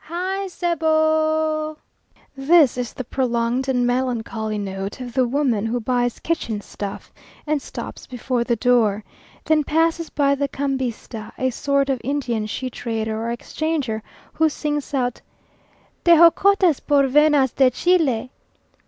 "Hay cebo o o o o o?" This is the prolonged and melancholy note of the woman who buys kitchen stuff, and stops before the door. Then passes by the cambista, a sort of Indian she trader or exchanger, who sings out, "Tejocotes por venas de chile?"